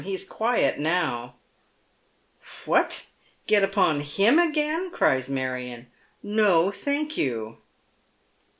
He's quiet now." "What, get ai.jn him again?" cries Marion. "No, thank you."